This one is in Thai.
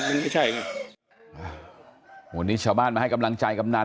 มันไม่ใช่วันนี้ชาวบ้านมาให้กำลังใจกำนัน